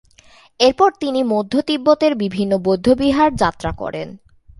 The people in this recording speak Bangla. এরপর তিনি মধ্য তিব্বতের বিভিন্ন বৌদ্ধবিহার যাত্রা করেন।